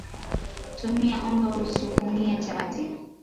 tumia unga kusukumia chapati